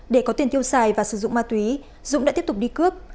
để có tiền tiêu xài và sử dụng ma túy dũng đã tiếp tục đi cướp